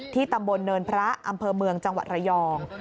ตำบลเนินพระอำเภอเมืองจังหวัดระยอง